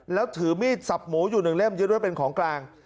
แล้วถือมีดสับหมูอยู่หนึ่งเล่มยึดไว้เป็นของกลาง